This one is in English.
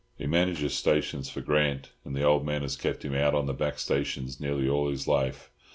"He manages stations for Grant, and the old man has kept him out on the back stations nearly all his life.